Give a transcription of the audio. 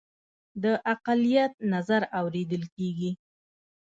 د اقلیت نظر اوریدل کیږي